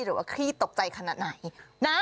หรือว่าชิบขีตกใจขนาดไหน